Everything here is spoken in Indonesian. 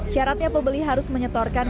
syaratnya pebeli harus menyetorkan